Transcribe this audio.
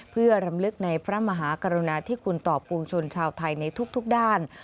เพื่อรำลึกในพระมหากรุณาที่คุณต่อปวงชนชาวไทยในทุกด้าน